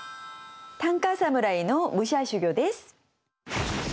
短歌侍の武者修行です。